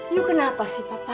you kenapa sih papa